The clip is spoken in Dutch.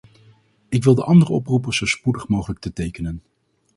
Ik wil de anderen oproepen zo spoedig mogelijk te tekenen.